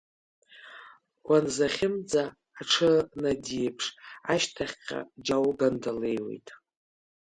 Уанзахьымӡа, аҽынадиеиԥш ашьҭахьҟа џьа угандалеиуеит.